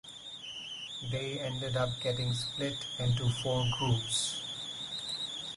They ended up getting split into four groups.